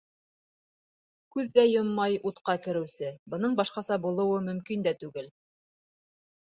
Күҙ ҙә йоммай утҡа кереүсе, Бының башҡаса булыуы мөмкин дә түгел.